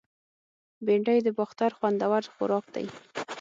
بېنډۍ د باختر خوندور خوراک دی